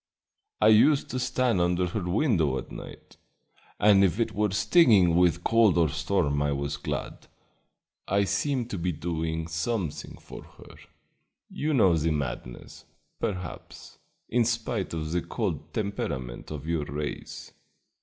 I used to stand under her window at night, and if it were stinging with cold or storm I was glad. I seemed to be doing something for her; you know the madness, perhaps, in spite of the cold temperament of your race.